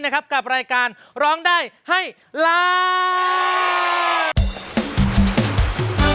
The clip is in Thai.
กับรายการร้องได้ให้ล้าน